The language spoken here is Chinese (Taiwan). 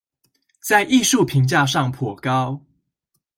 在藝術評價上頗高